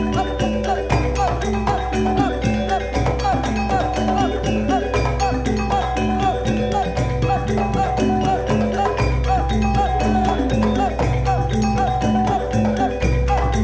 terima kasih banyak banyak